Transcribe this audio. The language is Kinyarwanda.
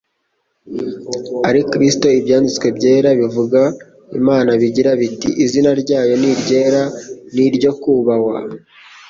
ari Kristo?» Ibyanditswe Byera bivuga Imana bigira biti: «Izina ryayo ni iryera ni iryo kubahwa.'»